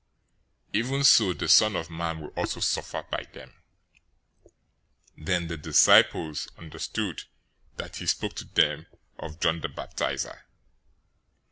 Even so the Son of Man will also suffer by them." 017:013 Then the disciples understood that he spoke to them of John the Baptizer.